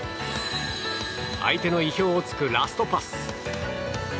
相手の意表を突くラストパス。